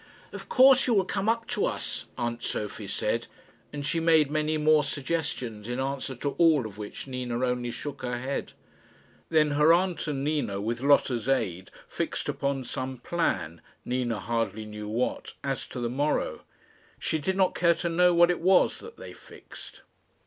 "Of course you will come up to us," aunt Sophie said. And she made many more suggestions, in answer to all of which Nina only shook her head. Then her aunt and Nina, with Lotta's aid, fixed upon some plan Nina hardly knew what as to the morrow. She did not care to know what it was that they fixed.